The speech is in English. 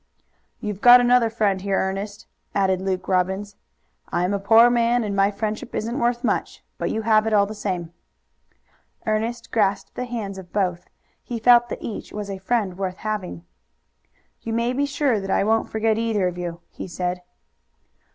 "You've got another friend here, Ernest," added Luke Robbins. "I'm a poor man, and my friendship isn't worth much, but you have it, all the same." Ernest grasped the hands of both. He felt that each was a friend worth having. "You may be sure that I won't forget either of you," he said.